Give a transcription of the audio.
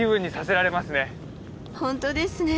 本当ですね。